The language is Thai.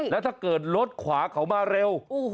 แล้วถ้าเกิดรถขวาเขามาเร็ว